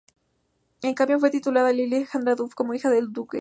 En cambio, fue titulada lady Alejandra Duff, como hija de un duque.